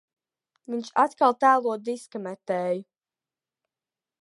Viņš atkal tēlo diska metēju.